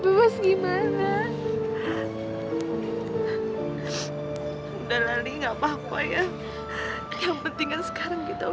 saya tidak terima pak saya tidak terima saya tidak mau